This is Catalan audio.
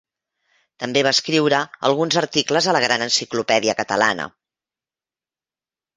També va escriure alguns articles a la Gran Enciclopèdia Catalana.